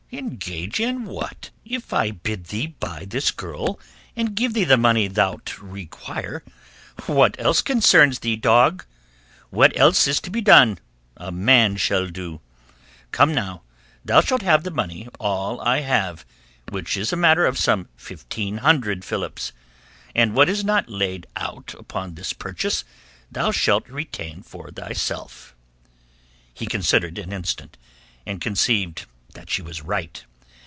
"Engage in what? If I bid thee go buy this girl, and give thee the money thou'lt require, what else concerns thee, dog? What else is to be done, a man shall do. Come now, thou shalt have the money, all I have, which is a matter of some fifteen hundred philips, and what is not laid out upon this purchase thou shalt retain for thyself." He considered an instant, and conceived that she was right.